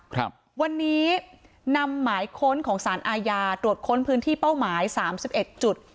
ครับวันนี้นำหมายค้นของสารอาญาตรวจค้นพื้นที่เป้าหมายสามสิบเอ็ดจุด